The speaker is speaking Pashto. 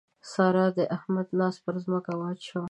سارا د احمد ناز پر ځمکه واچاوو.